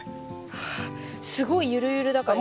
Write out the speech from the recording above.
はあすごいゆるゆるだから。